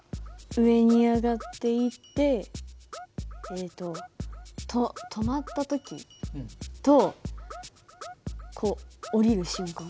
上に上がっていってえっとと止まった時とこう下りる瞬間？